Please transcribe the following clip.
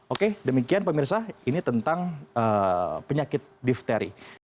oke demikian pemirsa ini tentang penyakit difteri